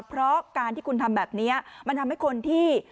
เพราะการที่คุณทำแบบนี้มันทำให้คนที่